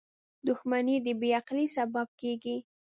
• دښمني د بې عقلی سبب کېږي.